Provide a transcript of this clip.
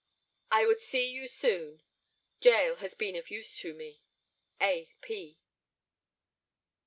"I would see you soon. Jael has been of use to me." "A. P."